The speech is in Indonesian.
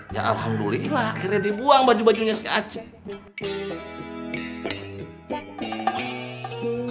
ya alhamdulillah akhirnya dibuang baju bajunya si aceh